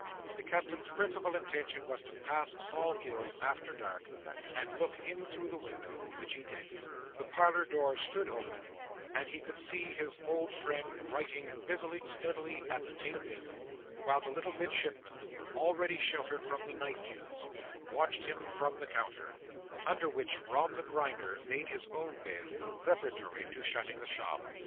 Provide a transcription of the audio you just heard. The Captain's principal intention was to pass Sol Gills's, after dark, and look in through the window: which he did, The parlour door stood open, and he could see his old friend writing busily and steadily at the table within, while the little Midshipman, already sheltered from the night dews, watched him from the counter; under which Rob the Grinder made his own bed, preparatory to shutting the shop.